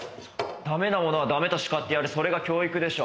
駄目なものは駄目と叱ってやるそれが教育でしょ。